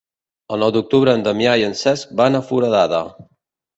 El nou d'octubre en Damià i en Cesc van a Foradada.